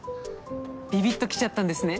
ビビッときちゃったんですね？